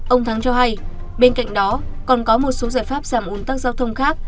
ông thắng cho hay bên cạnh đó còn có một số giải pháp giảm ủn tắc giao thông khác